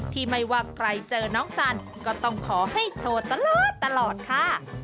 ไม่ว่าใครเจอน้องสันก็ต้องขอให้โชว์ตลอดตลอดค่ะ